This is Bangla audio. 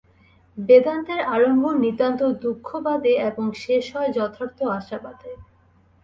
বেদান্তের আরম্ভ নিতান্ত দুঃখবাদে এবং শেষ হয় যথার্থ আশাবাদে।